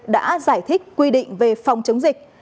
đã giải thích quy định về phòng chống dịch